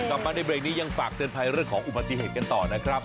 กลับมาในเบรกนี้ยังฝากเตือนภัยเรื่องของอุบัติเหตุกันต่อนะครับ